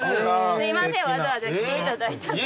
すいませんわざわざ来ていただいたのに。